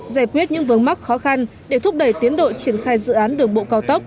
giải quyết những vướng mắc khó khăn để thúc đẩy tiến độ triển khai dự án đường bộ cao tốc